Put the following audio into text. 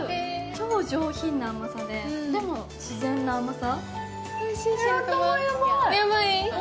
超上品な甘さででも自然な甘さ。